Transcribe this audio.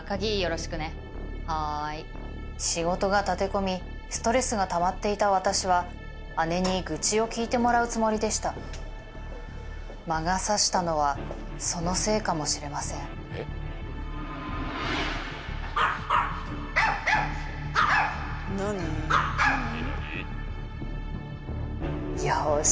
仕事が立て込みストレスがたまっていた私は姉に愚痴を聞いてもらうつもりでした魔が差したのはそのせいかもしれませんワンワン